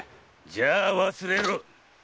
じゃあ忘れろ！